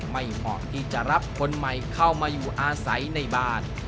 เหมาะที่จะรับคนใหม่เข้ามาอยู่อาศัยในบ้าน